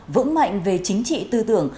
vững mạnh về chính trị tư tưởng